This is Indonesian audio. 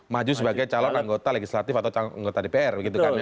maju sebagai calon anggota legislatif atau anggota dpr